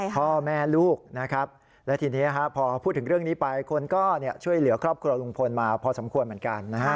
พ่อแม่ลูกนะครับและทีนี้พอพูดถึงเรื่องนี้ไปคนก็ช่วยเหลือครอบครัวลุงพลมาพอสมควรเหมือนกันนะฮะ